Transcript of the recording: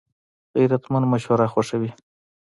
غیرتمند مشوره خوښوي